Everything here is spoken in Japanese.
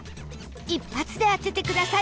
一発で当ててください